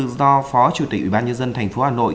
do phó chủ tịch ubnd tp hà nội